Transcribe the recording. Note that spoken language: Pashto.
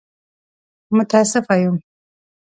متاسفه يم!